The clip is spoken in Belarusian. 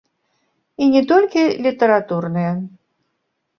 І не толькі літаратурныя.